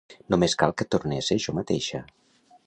Només cal que torne a ser jo mateixa.